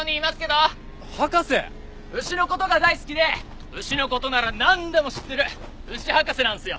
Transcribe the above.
牛の事が大好きで牛の事ならなんでも知ってる牛博士なんですよ。